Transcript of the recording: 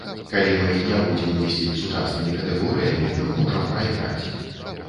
Калі мы не будзем мысліць сучаснымі катэгорыямі мы можам прайграць.